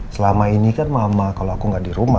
selama ini kan mama kalo aku gak di rumah